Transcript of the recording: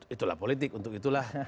itulah politik untuk itulah